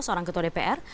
seorang ketua dpr